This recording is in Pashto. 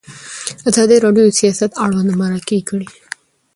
ازادي راډیو د سیاست اړوند مرکې کړي.